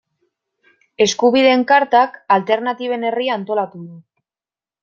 Eskubideen Kartak Alternatiben Herria antolatu du.